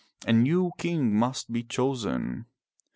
A new king must be chosen.